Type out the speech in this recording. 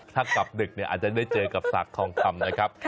ถ้ากลับดึกเนี่ยอาจจะได้เจอกับสากทองคำนะครับ